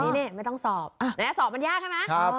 นี่ไม่ต้องสอบสอบมันยากใช่ไหม